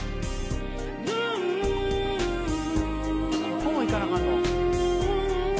ここもいかなあかんの？